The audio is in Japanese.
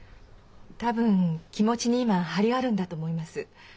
多分気持ちに今張りがあるんだと思います。